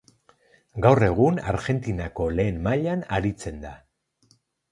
Gaur egun Argentinako Lehen Mailan aritzen da.